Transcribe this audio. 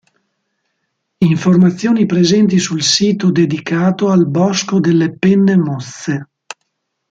Informazioni presenti sul sito dedicato al Bosco delle Penne Mozze,